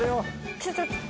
ちょっと。